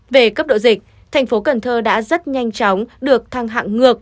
về cấp độ dịch thành phố cần thơ đã rất nhanh chóng được thăng hạng ngược